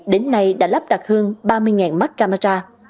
đến nay đã lắp đặt hơn ba mươi mắt camera